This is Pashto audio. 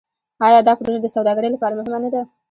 آیا دا پروژه د سوداګرۍ لپاره مهمه نه ده؟